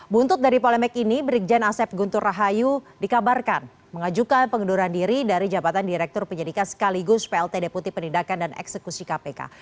buntut dari polemik ini brigjen asep guntur rahayu dikabarkan mengajukan pengunduran diri dari jabatan direktur penyidikan sekaligus plt deputi penindakan dan eksekusi kpk